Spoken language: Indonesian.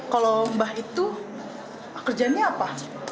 kalau mbah itu kerjaannya apa